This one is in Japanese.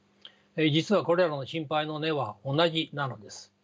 実はこれらの心配の根は同じなのです。